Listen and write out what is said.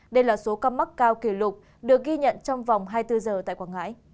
đây là số ca mắc cao kỷ lục được ghi nhận trong vòng hai mươi bốn giờ tại quảng ngãi